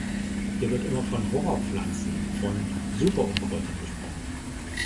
Hier wird immer von Horrorpflanzen, von Superunkräutern gesprochen.